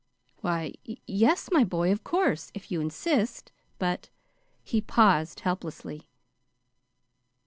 "Why, y yes, my boy, of course, if you insist; but " he paused helplessly.